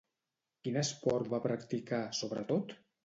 Quin esport va practicar sobretot?